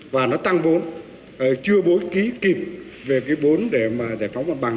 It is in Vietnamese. và nó tăng vốn chưa bố trí kịp về cái vốn để mà giải phóng mặt bằng